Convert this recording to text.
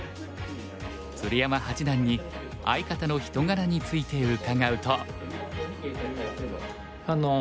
鶴山八段に相方の人柄について伺うと。